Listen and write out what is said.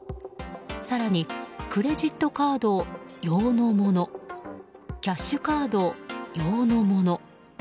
更にクレジットカードのようのものキャッシュカードようのもの。